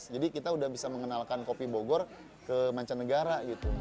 jadi kita sudah bisa mengenalkan kopi bogor ke mancanegara